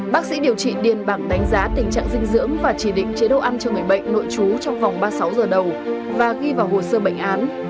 bác sĩ điều trị điền bảng đánh giá tình trạng dinh dưỡng và chỉ định chế độ ăn cho người bệnh nội trú trong vòng ba mươi sáu giờ đầu và ghi vào hồ sơ bệnh án